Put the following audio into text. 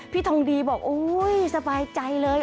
ทองดีบอกโอ๊ยสบายใจเลย